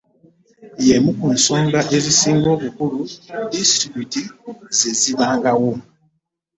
Y’emu ku nkola ezisinga obukulu disitulikiti ze zibangawo.